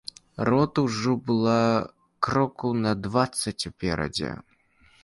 Рота ўжо была крокаў на дваццаць уперадзе.